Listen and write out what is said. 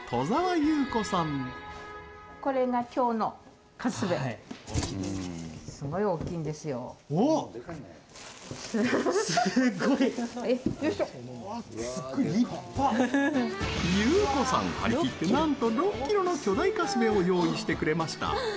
祐子さん、張り切ってなんと６キロの巨大カスベを用意してくれました。